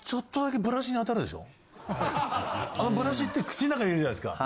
あのブラシって口の中入れるじゃないですか。